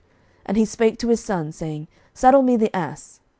11:013:027 And he spake to his sons, saying, Saddle me the ass.